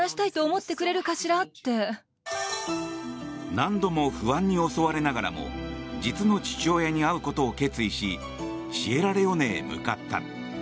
何度も不安に襲われながらも実の父親に会うことを決意しシエラレオネへ向かった。